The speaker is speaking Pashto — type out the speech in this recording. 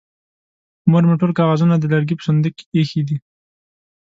مور مې ټول کاغذونه د لرګي په صندوق کې ايښې دي.